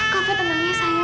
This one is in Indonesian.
kau tenang ya sayang